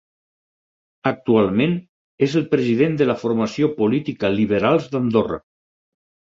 Actualment és el president de la formació política Liberals d'Andorra.